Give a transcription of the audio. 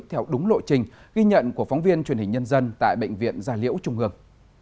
theo đúng lộ trình ghi nhận của phóng viên truyền hình nhân dân tại bệnh viện gia liễu trung ương